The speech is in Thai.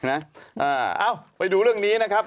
เอ้าไปดูเรื่องนี้นะครับ